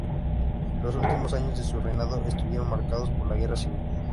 Los últimos años de su reinado estuvieron marcados por la guerra civil.